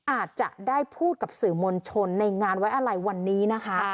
อาจจะได้พูดกับสื่อมวลชนในงานไว้อะไรวันนี้นะคะ